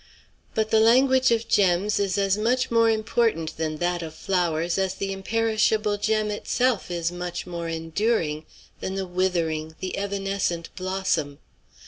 But the language of gems is as much more important than that of flowers as the imperishable gem is itself more enduring than the withering, the evanescent blossom.